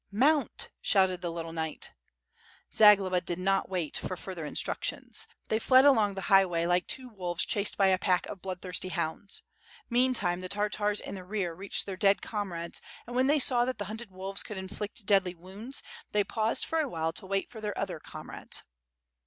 "Mount!" shouted the little knight. Zagloba did not wait for further instructions. They fled along the highway like two wolves chased by a pack of bloodthirsty hounds. Meantime, the Tartars in the rear reached their dead comrades, and when they saw that the hunted wolves c©uld inflict deadly wounds, they paused for a while to wait for their other comrades.